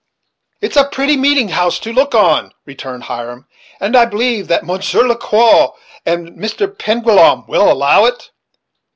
"It is a pretty meeting house to look on," returned Hiram, "and I believe that Monshure Ler Quow and Mr. Penguilliam will allow it."